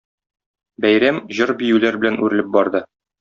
Бәйрәм җыр-биюләр белән үрелеп барды.